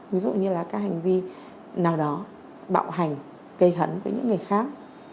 ví dụ như là các hành vi nào đó bạo hành gây hấn với những người khác